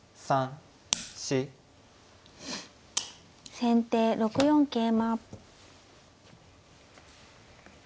先手６四桂馬。